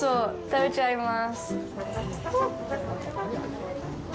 食べちゃいます。